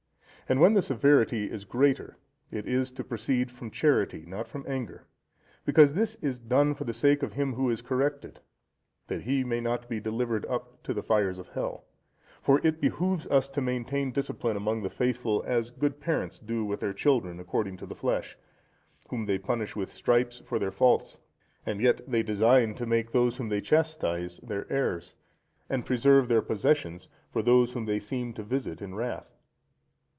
And when the severity is greater, it is to proceed from charity, not from anger; because this is done for the sake of him who is corrected, that he may not be delivered up to the fires of Hell. For it behoves us to maintain discipline among the faithful, as good parents do with their children according to the flesh, whom they punish with stripes for their faults, and yet they design to make those whom they chastise their heirs, and preserve their possessions for those whom they seem to visit in wrath.